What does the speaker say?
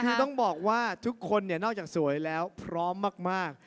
คือต้องบอกว่าทุกคนนอกจากสวยแล้วพร้อมมาก